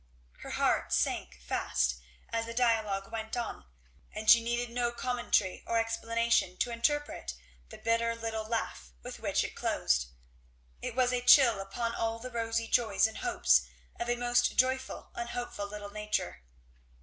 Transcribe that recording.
Her heart sank fast as the dialogue went on, and she needed no commentary or explanation to interpret the bitter little laugh with which it closed. It was a chill upon all the rosy joys and hopes of a most joyful and hopeful little nature.